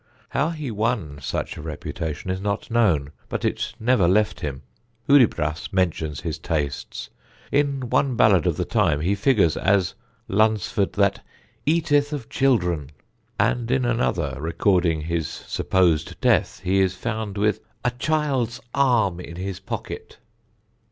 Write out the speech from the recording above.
How he won such a reputation is not known, but it never left him. Hudibras mentions his tastes; in one ballad of the time he figures as Lunsford that "eateth of children," and in another, recording his supposed death, he is found with "a child's arm in his pocket."